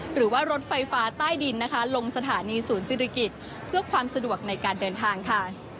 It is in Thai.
หรือว่ารถไฟฟ้าใต้ดินนะคะลงสถานีศูนย์ศิริกิจเพื่อความสะดวกในการเดินทางค่ะ